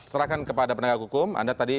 serahkan kepada penegak hukum anda tadi